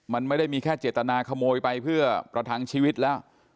มันไม่ได้มีแค่เจตนาขโมยไปเพื่อประทังชีวิตแล้ว